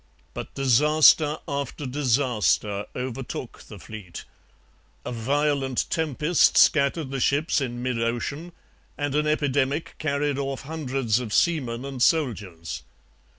But disaster after disaster overtook the fleet. A violent tempest scattered the ships in mid ocean and an epidemic carried off hundreds of seamen and soldiers.